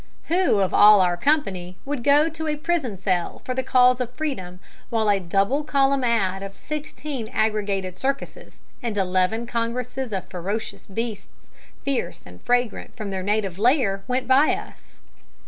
Who of all our company would go to a prison cell for the cause of freedom while a double column ad. of sixteen aggregated circuses, and eleven congresses of ferocious beasts, fierce and fragrant from their native lair, went by us?